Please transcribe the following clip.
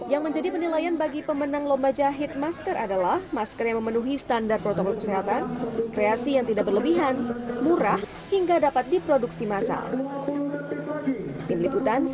yang menjadi penilaian bagi pemenang lomba jahit masker adalah masker yang memenuhi standar protokol kesehatan kreasi yang tidak berlebihan murah hingga dapat diproduksi massal